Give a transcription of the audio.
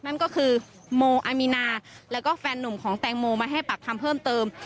นั่นก็คือโมอามีนาแล้วก็แฟนหนุ่มของแตงโมมาให้ปากคำเพิ่มเติม